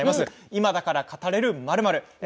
今だから語れる○○です。